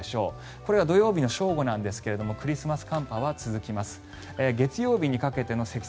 これは土曜日の正午ですがクリスマス寒波は続きます。